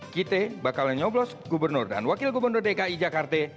kita bakal nyoblos gubernur dan wakil gubernur dki jakarta